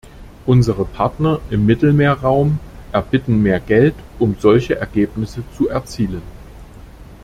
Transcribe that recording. Unsere Partner im Mittelmeerraum erbitten mehr Geld, um solche Ergebnisse zu erzielen.